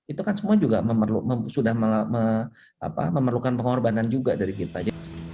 itu kan semua juga sudah memerlukan pengorbanan juga dari kita